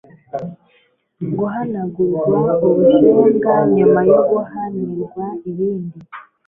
guhanagurwa ubusembwa nyuma yo guhanirwa ibindi